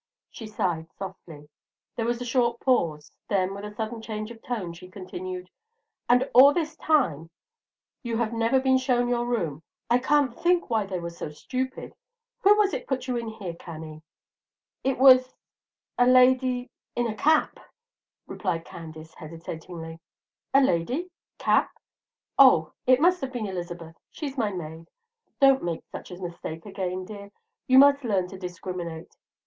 She sighed softly: there was a short pause. Then, with a sudden change of tone, she continued: "And all this time you have never been shown your room. I can't think why they were so stupid. Who was it put you here, Cannie?" "It was a lady in a cap," replied Candace, hesitatingly. "A lady? cap? Oh, it must have been Elizabeth. She's my maid, don't make such a mistake again, dear; you must learn to discriminate.